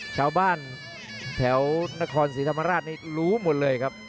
ชาวบ้านแถวนครศรีธรรมราชนี่รู้หมดเลยครับ